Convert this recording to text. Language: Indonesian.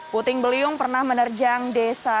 puting beliung pernah menerjang desa